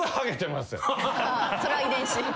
それは遺伝子。